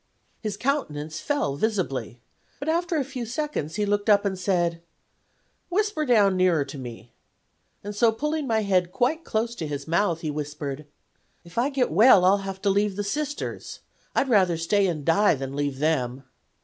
"His countenance fell visibly. But after a few seconds he looked up and said: "'Whisper down nearer to me,' and so pulling my head quite close to his mouth, he whispered: 'If I get well I'll have to leave the Sisters. I'd rather stay and die than leave them.